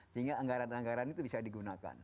sehingga anggaran anggaran itu bisa digunakan